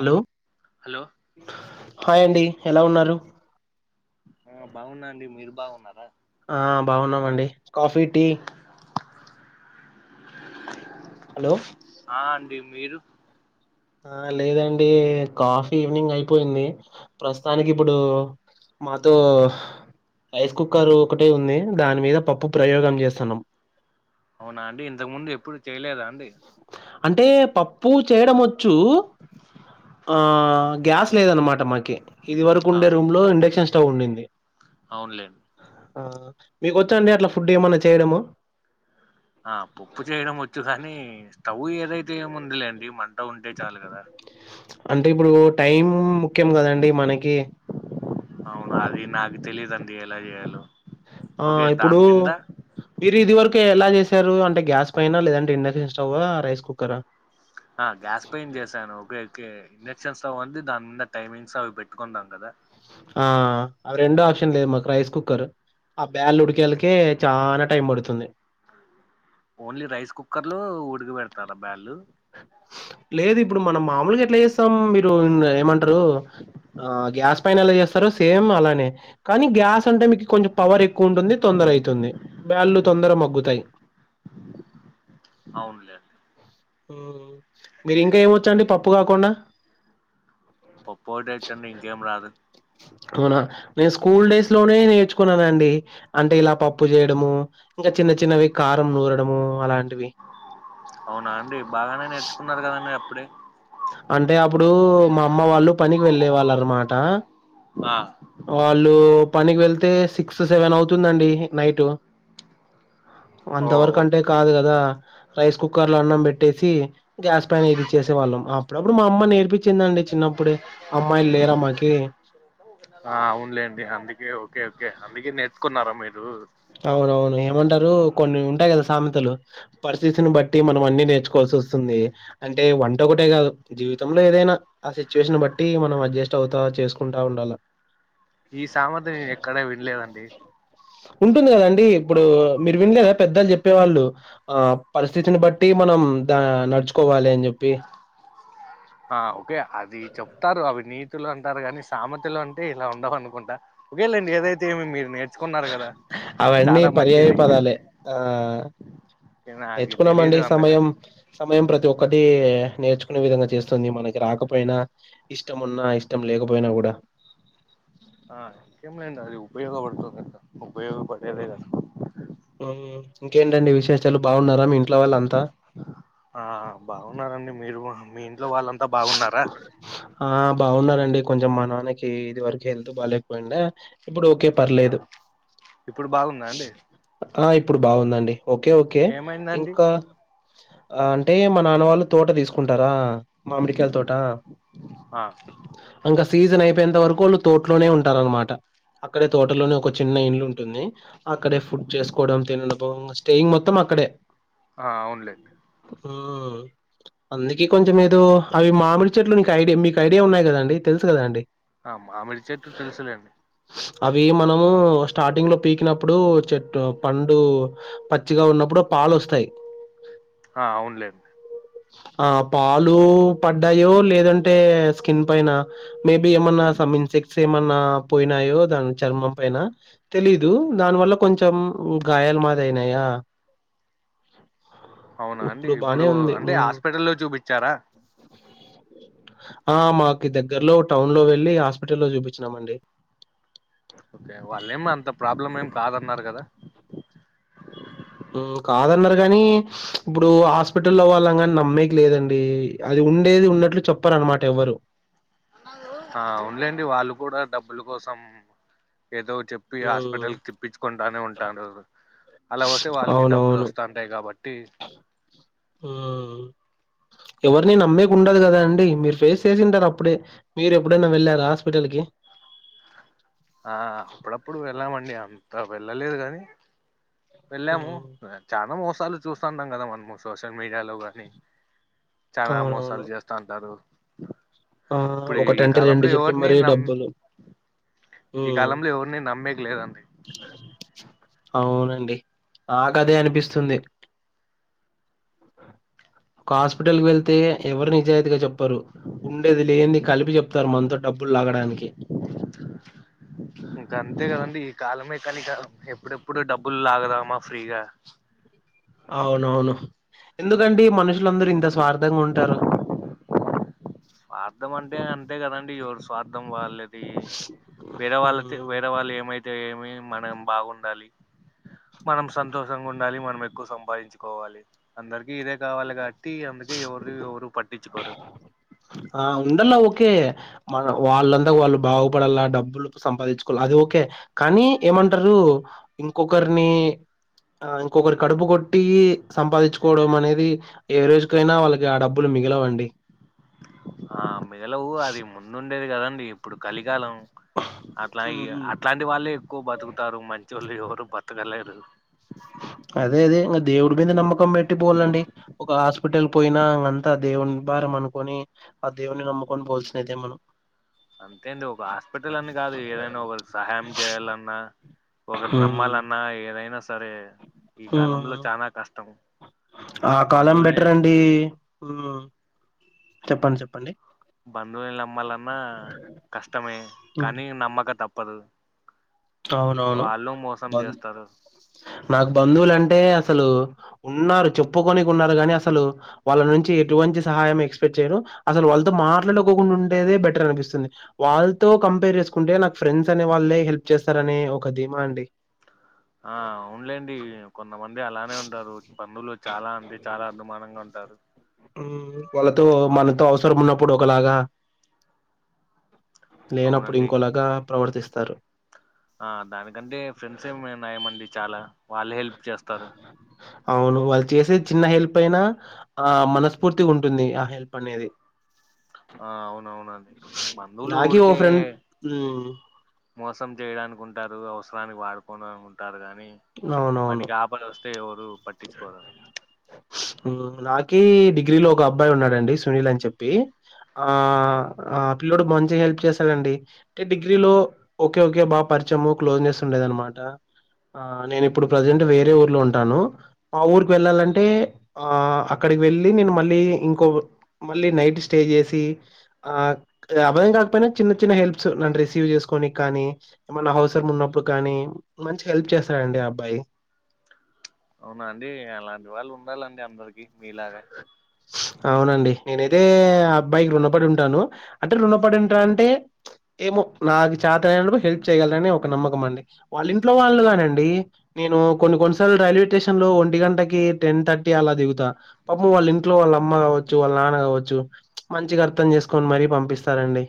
Hello hello hi అండి ఎలా ఉన్నారు ఆ బాగున్నాండి మీరు బాగున్నారా ఆ బాగున్నామండి కాఫీ టీ హలో ఆ అండి మీరు ఆ లేదండి కాఫీ ఈవినింగ్ అయిపోయింది ప్రస్తుతానికి ఇప్పుడు మాతో రైస్ కుక్కర్ ఒకటే ఉంది దాని మీద పప్పు ప్రయోగం చేస్తున్నాం అవునా అండి ఇంతకు ముందు ఎప్పుడు చేయలేదా అండి అంటే పప్పు చేయడం వచ్చు ఆ గ్యాస్ లేదనమాట మాకి ఇది వరకు ఆ ఉండే రూమ్ లో ఇండక్షన్ స్టవ్ ఉండింది అవునులేండి ఆ మీకు వచ్చాండి అట్లా ఫుడ్ ఏమన్నా చేయడము ఆ పప్పు చేయడం వచ్చు కాని స్టవ్ ఏదైతే ఏము ఉందిలేండి మంట ఉంటే చాలు కదా అంటే ఇప్పుడు టైం ముఖ్యం కదండి మనకి అవునా అది నాకు తెలీదండి ఎలా చేయాలో ఆ ఓకే ఇప్పుడు దాని మీద మీరు ఇది వరకు ఎలా చేశారు అంటే గ్యాస్ పైన లేదంటే ఇండక్షన్ స్టవా రైస్ కుక్కర్ ఆ ఆ గ్యాస్ పైన చేసాను [unintelligible] ఇండక్షన్స్ అంటే దాని మీద టైమింగ్స్ అవి పెట్టుకుందాం కదా ఆ రెండో ఆప్షన్ లేదు మాకు రైస్ కుక్కర్ ఆ బ్యాల్ ఉడికేలకే చాలా టైం పడుతుంది ఓన్లీ రైస్ కుక్కర్ లో ఉడికపెడతారా బ్యాళ్ళు లేదు ఇప్పుడు మనం మామూలుగా ఎట్లా చేస్త అమ్ మీరు ఏమంటారు ఆ గ్యాస్ పైన ఎలా చేస్తారు సేమ్ అలానే కానీ గ్యాస్ అంటే మీకు కొంచెం పవర్ ఎక్కువ ఉంటుంది తొందర అవుతుంది బ్యాల్లు తొందర మగ్గుతాయి అవునులే మీరు ఇంకా ఏం వచ్చండి పప్పు కాకుండా పప్పు ఒకటిేచ్చండి ఇంకేం రాదు అవునా నేను స్కూల్ డేస్ లోనే నేర్చుకున్నానుండి అంటే ఇలా పప్పు చేయడము ఇంకా చిన్న చిన్నవి కారం నూరడము అలాంటివి అవునా అండి బాగానే నేర్చుకున్నారు కదండి అప్పుడే అంటే అప్పుడు మా అమ్మ వాళ్ళు పనికి వెళ్ళే వాళ్ళ అనమాట ఆ వాళ్ళు పనికి వెళ్తే సిక్స్ టు సెవెన్ అవుతుందండి నైట్ ఓ అంత వరకంటే కాదు కదా రైస్ కుక్కర్ లో అన్నం పెట్టేసి గ్యాస్ పైనా ఇది చేసేవాళ్ళం అప్పుడప్పుడు మా అమ్మ నేర్పించిందండి చిన్నప్పుడు అమ్మాయిలు లేరా అమ్మ కి ఆ అవునులేండి అందుకే ఓకే ఓకే అందుకే నేర్చుకున్నారా మీరు అవునవును ఏమంటారు కొన్ని ఉంటాయి కదా సామెతలు పరిస్థితిని బట్టి మనం అన్ని నేర్చుకోవాల్సి వస్తుంది అంటే వంట ఒకటే కాదు జీవితంలో ఏదైనా ఆ సిచ్యువేషన్ బట్టి మనం అడ్జస్ట్ అవుతా చేసుకుంటా ఉండాలా ఈ సామెత నేనెక్కడ వినలేదండి ఉంటుంది కదాండి ఇప్పుడు మీరు వినలేదా పెద్దళ్లు చెప్పేవాళ్ళు ఆ పరిస్థితిని బట్టి మనం దా నడ్చుకోవాలే అన్ జొప్పి ఆ ఓకే అది చొప్తారు అవి నీతులు అంటారు గాని సామతలు అంటే ఇలా ఉండవు అనుకుంటా ఒకేలేండి ఏదైతే ఏమి మీరు నేర్చుకున్నారు గదా చాలా మంచిది ఆ నాకు తెలీదు నేచ్చుకున్నామండి అంతగా సమయం సమయం ప్రతి ఒక్కటీ నేర్చుకునే విధంగా చేస్తుంది మనకి రాకపోయినా ఇష్టం ఉన్నా ఇష్టం లేకపోయినా గూడా ఆ ఇక్కేం లేండి అది ఉపయోగవడుతుంది గదా ఉపయోగపడేదే గదా ఇంకేంటండి విశేచాలు బావున్నారా మీ ఇంట్లో వాళ్ళంతా ఆ బావున్నారండి మీరు గుఅహా మీ ఇంట్లో వాళ్ళంతా బాగున్నారా ఆ బాగున్నారండి కొంచం మా నాన్నకి ఇది వరికి హెళ్తు బాలేక్పోయిండ్యా ఇబ్బుడోకే పర్లేదు ఇప్పుడు బాగుంద్యా అండి ఆ ఇప్పుడు బాగుందండి ఓకే ఓకే ఏమైందండి ఇంకా ఆంటే మా నాన్నవాళ్ళు తోట దీస్కుంటారా మామిడికాయ్ తోట ఆ అంక సీజనైపేయేంత వరకోళ్ళు తోట్లోనే ఉంటారనమాట అక్కడే తోటలోనే ఒక చిన్న ఇండ్లుంటుంది అక్కడే ఫుడ్ చేస్కోడం తినడపో ఇంగ స్టేయింగ్ మొత్తం అక్కడే ఆ అవున్ లేండి ఊ అందుకే కొంచం ఏదో అవి మామిడి చెట్లు నీకు ఐడియా మీకు ఐడియా ఉన్నాయ్ గదండి తెల్సు గదా అండి ఆ మామిడి చెట్లు తెలుసులేండి అవీ మనము స్టాటింగ్ లో పీకినప్పుడు చె ట్టు పండూ పచ్చిగా ఉన్నప్పుడు ఆ పాలొస్తాయ్ హా అవున్ లేండి ఆ పాలు పడ్డాయో లేదంటే స్కిన్ పైన మేబి ఏమన్నా సమ్ ఇన్ సెక్స్ ఏమన్నా పోయ్నాయో దాన్ చర్మం పైన తెలీదు దాన్ వల్ల కొంచెం గాయాల మాదైనాయా అవునా అండి ఇప్పుడు అంటే ఆస్పెటల్లో జూపిచ్చార అహా మా కి దగ్గర్లో టౌన్ లో వెళ్ళి హాస్పిటల్లో జూపిచ్నామండి ఒకే వాళ్ళేమి అంత ప్రాబ్లం ఏమ్ కాదన్నారు కదా ఊ కాదన్నారు గనీ ఇబ్బుడూ హాస్పిటల్లో వాళ్ళన్ నమ్మేక్ లేదండి అది ఉండేది ఉన్నట్లు చొప్పరనమాట ఎవ్వరు ఆ అవున్ లేండి వాళ్ళు కూడా డబ్బులు కోసం ఏదో చెప్ ప్పి హ్మ్. హాస్పిటల్ తిప్పిచ్చుకొంటానే ఉంటాండ్రు అలా వస్తే వాళ్ళకి డబ్బులొస్తాన్ టాయ్ కాబట్టి ఓవ్ ఎవర్ని నమ్మేకుండదు గదా అండి మీర్ ఫేస్ చేసింటారు అప్పుడే మీరేబ్బుడన్న వెళ్యార హాస్పిటల్ కి హా అప్పుడప్పుడు వెళ్ళామండి అంత వెళ్ళలేదు గానీ వెళ్యాము హ్మ్. చాలా మోసాలు చూస్తాంటం గదా మన్ము సోషల్ మీడియాలో గానీ చానా అవునవును. మోసాల్ జేస్తాంటారు ఆ! ఇప్పుడీ ఒకటంటే రెండు కాలంలో జెప్పి ఎవ్వర్ని మరీ నమ్ డబ్బులు. ఈ హ్మ్. కాలంలో ఎవ్వర్ని నమ్మేక్ లేదండి అవునండి ఆ కదే అనిపిస్తుంది. ఒక హాస్పిటల్ కి వెళ్తే ఎవరు నిజాయితీగా జేప్పరు. ఉండేది లేంది కలిపి జేప్తారు మనతో డబ్బులు లాగడానికి ఇంక అంతే కదండి ఈ కాలమే కానీ ఎప్పుడెప్పుడు డబ్బులు లాగదామా ఫ్రీగా అవునవును ఎందుకండి మనుషులందరూ ఇంత స్వార్థంగా ఉంటారు. స్వార్థం అంటే అంతే కదండి ఎవరు స్వార్థం వాళ్ళది వేరే వాళ్ళతే హ్మ్. వేరే వాళ్ళు ఏమైతే ఏమి మనం బాగుండాలి. మనం సంతోషంగా ఉండాలి. మనం ఎక్కువ సంపాదించుకోవాలి అందరికి ఇదే గావాలి గాట్టి అందుకే ఎవరు ఎవరు పట్టించుకోరు. ఆ ఉండాలా ఓకే మన వాళ్ళందా వాళ్ళు బాగుపడాల డబ్బులు సంపాదించుకోవాల్ అది ఓకే కానీ ఏమంటారు ఇంకొకరిని ఆ ఇంకొకరు కడుపు గొట్టి సంపాదించుకోవడం అనేది. ఏ రోజుకైనా వాళ్ళకి ఆ డబ్బులు మిగలవండి. ఆ మిగలవు అది ముందుండేది గదండి ఇప్పుడు కలిగాలం. అట్లా ఇగా అట్లాంటి వాళ్ళే ఎక్కువ బతుకుతారు మంచోళ్ళు ఎవరు బతకలేరు. అదే అదే ఇగా దేవుడు మీద నమ్మకం బెట్టి పోవాలండి. ఒక హాస్పిటల్ పోయినా ఇంగంతా దేవుని భారమనుకొని అ దేవుని నమ్ముకొని పోవాల్సినదైతే మనం అంతేంది ఒక హాస్పిటల్ అని గాదు ఏదైనా ఓగల్ సహాయం జేయాలన్నా ఓగర్ రమ్మాలన్నా ఏదైనా సరే ఈ కాలంలో మ్మ్ చనా కష్టం మందులనే ఈ ఉహ్ చెప్పండ్ చెప్పండి. బదువుల్ని నమ్మాలన్నా కష్టమే హ్మ్. కానీ నమ్మక తప్పదు. అవునవును వాళ్ళు మోసం బన్ చేస్తారు నాకు బంధువులంటే అసలు ఉన్నారు. చెప్పుకోనికున్నారు గాని అసలు వాళ్ళ నుంచి ఎటువంటి సహాయం ఎక్స్పెక్ట్ చేయరు అసలు వాళ్ళతో మాట్లాడుకోకుండా ఉండేదే బెటరనిపిస్తుంది. వాలతో కంపేర్ ఏసుకుంటే నాకు ఫ్రెండ్స్ అనే వాళ్ళే హెల్ప్ చేస్తారనే ఒక ధీమా అండి. ఆ అవునులేండి కొంతమంది అలానే ఉంటారు పన్నులో చాలా అండి చాలా అదమానంగా ఉంటారు. ఉహ్మ్ వాళ్ళతో బా మనతో అవసరం ఉన్నప్పుడు ఒకలాగా నీనప్పుడు అవునండి ఇంకోలాగా ప్రవర్తిస్తారు. ఆ దానికంటే ఫ్రెండ్స్ ఏమన్నాయమండి చాలా వాళ్ళే హెల్ప్ చేస్తారు. అవును వాళ్ళు చేసేద్ చిన్న హెల్ప్ అయినా ఆ మనస్ఫూర్తిగుంటుంది ఆ హెల్ప్ అనేది. ఆ అవునవునండి బంధువులు నాకి ఓ ఊరికే ఫ్రెండ్ మ్మ్ మోసం జేయడానికుంటారు అవసరానికి వాడుకోన్నా ఉంటారు గానీ మనకి ఆపదోస్త్ తే ఎవరు పట్టించుకోరు యహ్ ఊమ్ నాకీ డిగ్రీలో ఒక అబ్బాయి ఉన్నాడండి సునీల్ అని చెప్పి ఆ ఆ పిల్ల్లోడు మంచిగ హెల్ప్ చేసాడండి. టె డిగ్రీలో ఓకే ఓకే బాగా పరిచము క్లోజ్ నెస్ ఉండేదనమాట. ఆ నేనిప్పుడు ప్రజెంట్ వేరే ఊర్లో ఉంటాను. ఆ ఊరికి వెళ్ళాలంటే ఆ అక్కడికి వెళ్ళి నేను మళ్ళీ ఇంకో ఓ మళ్ళీ నైట్ స్టే చేసి ఆ అబయం కాకపోయినా చిన్న చిన్న హెల్ప్స్ నన్ను రిసీవ్ చేసుకోని కానీ ఏమన్నా అవసరం ఉన్నప్పుడు కానీ మంచి హెల్ప్ చేస్తారండి ఆ అబ్బాయి అవునా అండి అలాంటి వాళ్ళు ఉండాలండి అందరికి మీలాగ అవునండి నేనైతే ఆ అబ్బాయికి రుణపడి ఉంటాను అంటే రుణపడి ఉంటాన్ అంటే ఏమో నాకు చాతనైనప్పుడు హెల్ప్ చేయ్యాగాలనాని ఒక నమ్మకం అండి వాళ్ళ ఇంట్లో వాళ్ళు కానండి నేను కొన్ని కొన్నిసార్లు రైల్వే టేషన్ లో ఒంటి గంటకి టెన్ థర్టీ అలా దిగుతా పాపము వాళ్ళ ఇ ఇట్లో వాళ్ళ అమ్మ గావొచ్చు వాళ్ళ నాన్న గావొచ్చు మంచిగ అర్థం చేసుకొని మరీ పంపిస్తారండి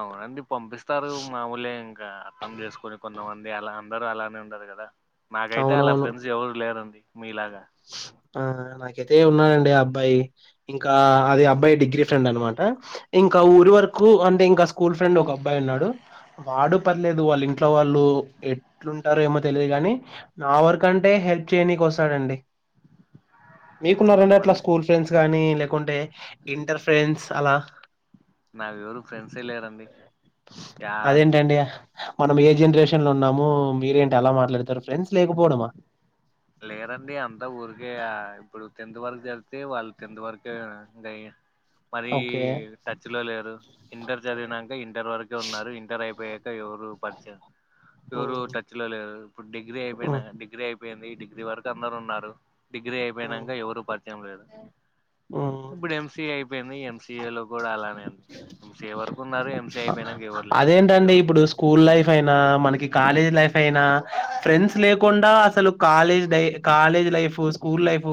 అవునండి పంపిస్తారు మాముూలే ఇంకా అర్థం చేసుకుని కొన్ని కొంతమంది అలా అందరూ అలానే ఉండారు గదా నాకైతే అలా ఫ్రెండ్స్ ఎవరు లేరండి మీలాగా అవునా నాకైతే ఉన్నాడండి ఆ అబ్బాయి ఇంకా అది అబ్బాయి డిగ్రీ ఫ్రెండ్ అనమాట ఇంకా ఊరి వరకు అంటే ఇంకా స్కూల్ ఫ్రెండ్ ఒక అబ్బాయి ఉన్నాడు వాడు ప్పర్లేదు వాళ్ళు ఇంట్లో వాళ్ళు ఎట్లుంటారో ఏమో తెలియదు గాని నా వర్క్ అంటే హెల్ప్ చేయనికి వస్తాడండి ఉమ్, మీకున్నారండి అట్లా కొంతమంది స్కూల్ ఫ్రెండ్స్ గానీ లేకుంటే ఇంటర్ ఫ్రెండ్స్ అలా నాకు ఎవరు ఫ్రెండ్స్ఏ లేరండి యా అదేంటండి మనం ఏ జనరేషన్ లో ఉన్నాము మీరేంటీ ఆలా మాట్లాడతారు ఫ్రెండ్స్ లేకపోవడమా లేరండి అంతా ఊరికే ఆ ఇప్పుడు టెన్త్ వరకు చదివితే వాళ్ళు టెన్త్ వరకే ఇకా మరి ఓకే టచ్ లో లేరు ఇంటర్ చదివినాక ఇంటర్ వరకే ఉన్నారు ఇంటర్ అయిపోయాక ఎవరు పరిచయం ఉ ఎవ్వరు టచ్ లో లేరు ఇప్పుడు డిగ్రీ ఉ అయిపోయిన డిగ్రీ అయిపోయింది డిగ్రీ వరకు అందరూ ఉన్నారు డిగ్రీ ఉ అయిపోయినాక ఎవరు పరిచయం లేదు ఉ ఇప్పుడు ఎంసిఏ అయిపోయింది ఎంసి సిఏ లో కూడా అలానే అండి ఎం సి ఎ వరకు ఉన్నారు ఎం సి ఎ అయిపోయినాక ఎవరు లేరు అదేంటండి ఇప్పుడు స్కూల్ లైఫ్ అయినా మనకి కాలేజ్ లైఫ్ అయినా ఫ్రెండ్స్ లేకుండా అసలు కాలేజ్ లై కాలేజ్ లైఫ్ స్కూల్ లైఫ్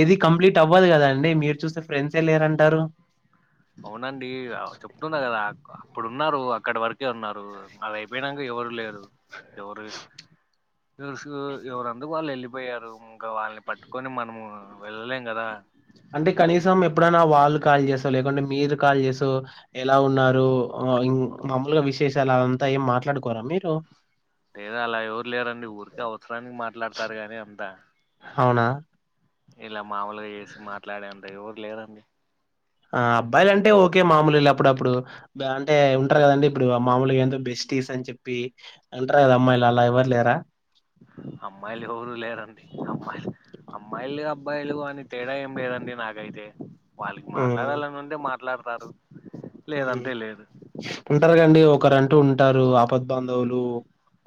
ఏది కంప్లీట్ అవ్వదు కదా అండి మీరు చూస్తే ఫ్రెండ్స్ ఏ లేరంటారు అవునండి చెప్తున్నా కదా ఆప్పుడు ఉన్నారు అక్కడ వరకే ఉన్నారు అది అయిపోయినాక ఎవరు లేరు ఎవరు సు ఎవరందుకు వాళ్ళు వెళ్ళిపోయారు ఇంకా వాళ్ళని పట్టుకొని మనం వెళ్ళలేం కదా అంటే కనీసం ఎప్పుడైనా వాళ్ళు కాల్ చేసో లేకుంటే మీరు కాల్ చేసో ఎలా ఉన్నారు మాముూలుగా విశేషాలు అంతా ఏం మాట్లాడుకోరా మీరు లేదా అలా ఎవరు లేరండి ఊరికే అవసరానికి మాట్లాడతారు గానీ అంతా అవునా ఇలా మాముూలుగా చేసి మాట్లాడేంత ఎవరు లేరండి ఆ అబ్బాయిలు అంటే ఓకే మామూలేలే అప్పుడప్పుడు అంటే ఉంటారు కదండి ఇప్పుడు మామూలుగా ఏంతో బెస్టీస్ అని చెప్పి అంటారు కదా అమ్మాయిలు అలా ఎవరు లేరా అమ్మాయిలు ఎవరూ లేరండి అమ్మాయిలు అమ్మాయిలు అబ్బాయిలు అని తేడా ఏం లేేదండి నాకైతే వాళ్ళకి హ్మ్. మాట్లాడాలని ఉంటే మాట్లాడతారు లేదంటే లేదు ఉంటారు కదండి ఒకరంటూ ఉంటారు ఆపద్ బాంధవులు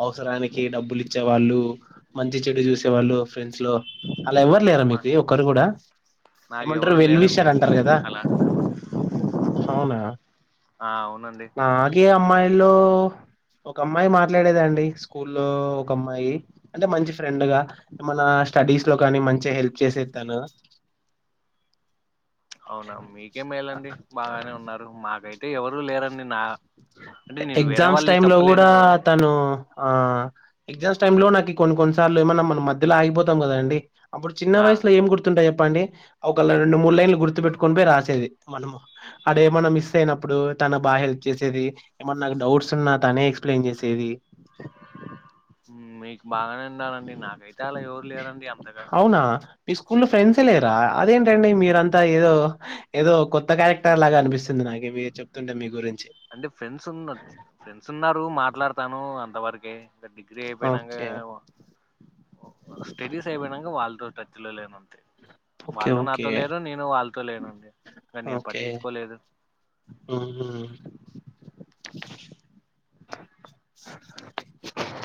అవసరానికి డబ్బులు ఇచ్చేవాళ్ళు మంచి చెడు చూసేవాళ్ళు ఫ్రెండ్స్ లో అలా ఎవ్వరు లేరా మా మీకు ఒక్కరు కూడా నాకు ఏమంటారు ఎవరు లేరండి వెల్విషర్ అంటారు కదా అలా అవునా ఆ అవునండి అలాగే అమ్మాయిల్లో ఒక అమ్మాయి మాట్లాడేదండి స్కూల్లో ఒక అమ్మాయి అంటే మంచి ఫ్రెండ్ గా మన స్టడీస్ లో కాని మంచిగా హెల్ప్ చేసేది తను అవునా మీకే మేలండి బాగానే ఉన్నారు మాకైతే ఎవరు లేరండి నా అంటే నేను వేరే ఎగ్జామ్స్ వాళ్ళది టైమ్ లో చెప్పలేను కూడా తను ఆ ఎగ్జామ్స్ టైమ్ లో నాకు కొన్ని కొన్నిసార్లు ఏమన్నా మనం మధ్యలో ఆగిపోతాం కదా అండి అప్పుడు చిన్న ఆ వయసులో ఏం గుర్తుంటాయి చెప్పండి ఒక రెండు మూడు లైన్లు గుర్తు పెట్టుకని పోయి రాసేది మనము అడ ఏమన్నా మిస్ అయినప్పుడు తన బాగా హెల్ప్ చేసేది ఏమన్నా నాకు డౌట్స్ ఉన్నా తనే ఎక్స్ప్లెయిన్ చేసేది ఉం మీకు బాగానే ఉన్నా రండి నాకైతే అలా ఎవరు లేరండి అంతగా అవునా మీ స్కూల్ లో ఫ్రెండ్సే లేరా అదేంటండి మీరంతా ఏదో ఏదో కొత్త క్యారెక్టర్ లాగా అనిపిస్తుంది నాకు మీరు చెప్తుంటే మీ గురించి అంటే ఫ్రెండ్స్ ఉన్న ఫ్రెండ్స్ ఉన్నారు మాట్లాడతాను అంతవరకే ఇంకా డిగ్రీ అయిపోయినాక ఓకే స్టడీస్ అయిపోయినాక వాళ్ళతో లేను అంతే ఓకే వాళ్ళు ఓకే నాతో లేరు నేను వాళ్ళతో లేను అండి ఇంగ నేను పట్టించుకోలేదు హు హమ్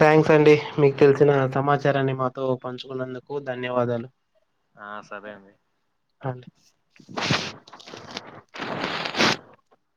థ్యాంక్స్ అండి మీకు తెలిసిన సమాచారాన్ని మాతో పంచుకున్నందుకు ధన్యవాదాలు ఆ సరే అండి అండి హ